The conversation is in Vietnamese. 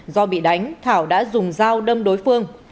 do bị đánh thảo đã dùng dao đâm đối phương